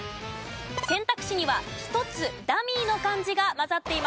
選択肢には１つダミーの漢字が混ざっています。